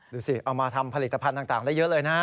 ดูสิเอามาทำผลิตภัณฑ์ต่างได้เยอะเลยนะ